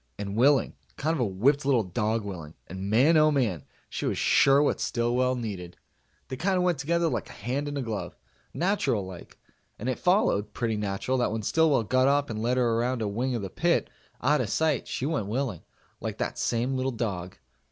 And willing. Kind of a whipped little dog willing, and man oh man! She was sure what Stillwell needed. They kind of went together like a hand and a glove natural like. And it followed pretty natural that when Stillwell got up and led her around a wing of the pit, out of sight, she went willing like that same little dog.